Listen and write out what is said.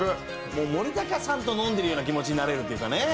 もう森高さんと飲んでるような気持ちになれるっていうかね。